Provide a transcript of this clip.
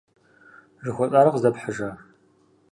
Жыхуэсӏар къыздэпхьыжа?